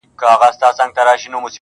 خو زه تاسي ته كيسه د ژوند كومه!!